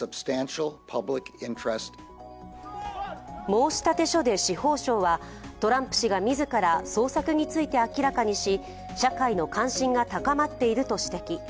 申立書で司法省は、トランプ氏が自ら捜索について明らかにし社会の関心が高まっていると指摘。